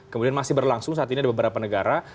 kemudian masih berlangsung saat ini ada beberapa negara